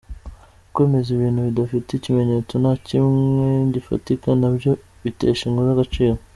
Kwemeza ibintu bidafite ikimenyetso na kimwe gifatika nabyo bitesha inkuru agaciro.